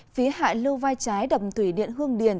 phía hại lưu vai trái đập thủy điện hương điền